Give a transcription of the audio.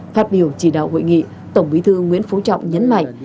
phát biểu chỉ đạo hội nghị tổng bí thư nguyễn phú trọng nhấn mạnh